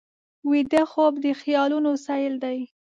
ویده خوب د خیالونو سیل دی